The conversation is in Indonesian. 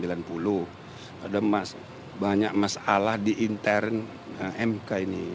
ada banyak masalah di intern mk ini